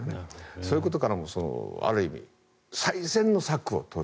そういうことからもある意味、最善の策を取る。